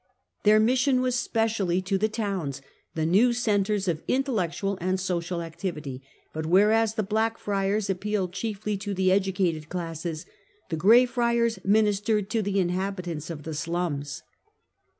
Their mission was specially to the towns, the new centres of intellectual and social activity ; but whereas the Black Friars appealed chiefly to the educated classes, the Grey Friars ministered to the inhabitants of the " slums."